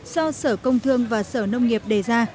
do sở công thương và sở nông nghiệp đề ra